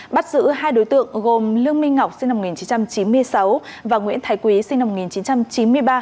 bắt giữ hai đối tượng gồm lương minh ngọc sinh năm một nghìn chín trăm chín mươi sáu và nguyễn thái quý sinh năm một nghìn chín trăm chín mươi ba